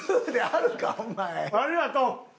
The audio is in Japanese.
ありがとう。